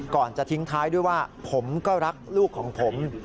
ก่อนจะทิ้งท้ายด้วยว่าผมก็รักลูกของผม